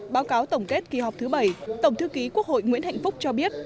báo cáo tổng kết kỳ họp thứ bảy tổng thư ký quốc hội nguyễn hạnh phúc cho biết